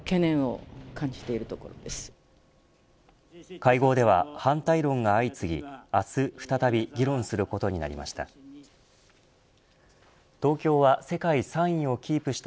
会合では反対論が相次ぎ明日、再び議論することになりました。